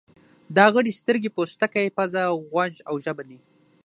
دا غړي سترګې، پوستکی، پزه، غوږ او ژبه دي.